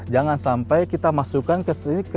jangan sampai kita masukkan ke sini ke